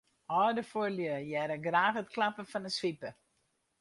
Alde fuorlju hearre graach it klappen fan 'e swipe.